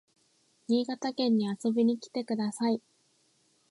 新潟県に遊びに来てください